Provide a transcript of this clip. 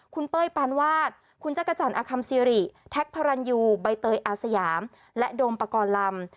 คุณเป้ยปานวาดคุณจักรจันทร์อคัมซิริแท็กพระรันยูใบเตยอาสยามและโดมปกรณ์ลำ